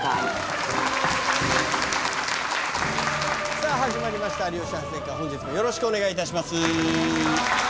さぁ始まりました『有吉反省会』本日もよろしくお願いします。